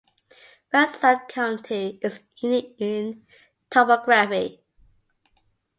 Van Zandt County is unique in topography.